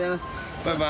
バイバイ。